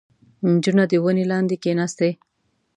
• نجونه د ونې لاندې کښېناستې.